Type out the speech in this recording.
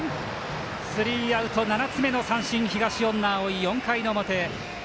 スリーアウト、７つ目の三振東恩納蒼４回の表。